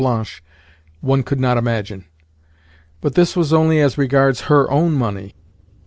Blanche one could not imagine. But this was only as regards her own money.